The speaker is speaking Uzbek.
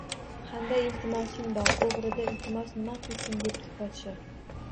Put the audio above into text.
Qanday iltimosing bor, o‘g‘rida iltimos nima qilsin, debdi podsho